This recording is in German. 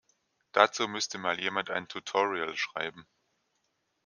Dazu müsste mal jemand ein Tutorial schreiben.